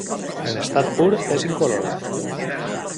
En estat pur és incolor.